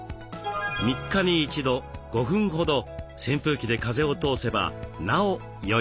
３日に１度５分ほど扇風機で風を通せばなおよいでしょう。